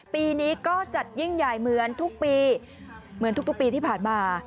ปีนี้ก็จัดยิ่งใหญ่เหมือนทุกปีที่ผ่านมา